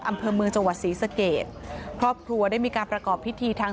อำเภอเมืองจังหวัดศรีสเกตครอบครัวได้มีการประกอบพิธีทาง